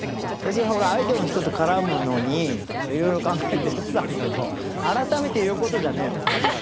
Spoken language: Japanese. それはアイドルの人と絡むのに、いろいろ考えてやってたんですけど、改めて言うことじゃねえな、これ。